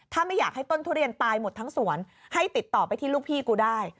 ถ้าไม่อยากให้ต้นทุเรียนตายหมดทั้งสวนให้ติดต่อไปที่ลูกพี่กูได้